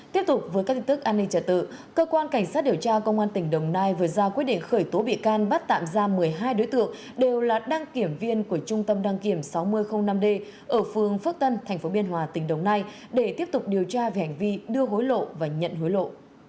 tiếp tục với các tin tức an ninh trả tự cơ quan cảnh sát điều tra công an tỉnh đồng nai vừa ra quyết định khởi tố bị can bắt tạm ra một mươi hai đối tượng đều là đăng kiểm viên của trung tâm đăng kiểm sáu nghìn năm d ở phường phước tân tp biên hòa tỉnh đồng nai để tiếp tục điều tra về hành vi đưa hối lộ và nhận hối lộ